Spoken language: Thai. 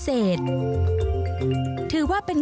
โดยเริ่มจากชนชั้นเจ้านายมาอย่างเหล่าขวัญแก่กัน